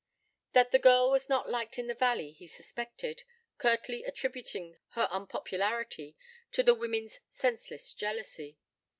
That the girl was not liked in the valley he suspected, curtly attributing her unpopularity to the women's senseless jealousy.